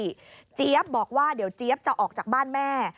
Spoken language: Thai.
ได้ข้อยุติเจี๊ยบบอกว่าเดี๋ยวเจี๊ยบจะออกจากบ้านแม่